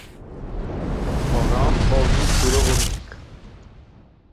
El nom vol dir "turó bonic".